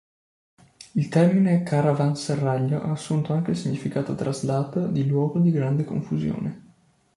Il termine caravanserraglio ha assunto anche il significato traslato di "luogo di grande confusione".